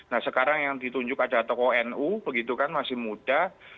nah sekarang yang ditunjuk ada tokoh nu begitu kan masih muda